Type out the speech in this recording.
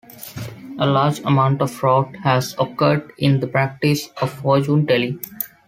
A large amount of fraud has occurred in the practice of fortune-telling.